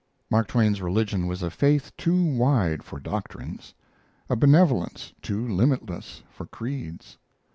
Mark Twain's religion was a faith too wide for doctrines a benevolence too limitless for creeds.